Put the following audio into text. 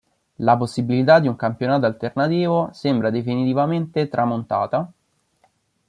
La possibilità di un campionato alternativo sembra definitivamente tramontata.